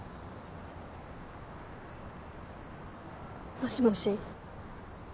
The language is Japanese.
もしもし。